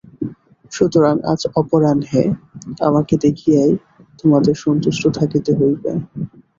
সুতরাং আজ অপরাহ্নে আমাকে দেখিয়াই তোমাদের সন্তুষ্ট থাকিতে হইবে।